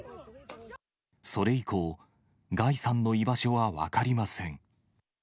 それ以降、ガイさんの居場所は分かりません。